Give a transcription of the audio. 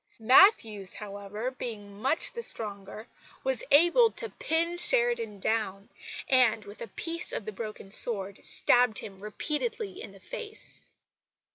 Matthews, however, being much the stronger, was able to pin Sheridan down, and with a piece of the broken sword stabbed him repeatedly in the face.